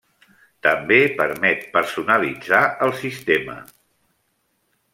També permet personalitzar el sistema.